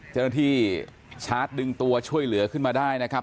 เจ้าหน้าที่ชาร์จดึงตัวช่วยเหลือขึ้นมาได้นะครับ